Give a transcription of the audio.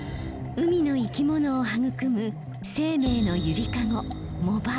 海の生き物を育む生命の揺りかご藻場。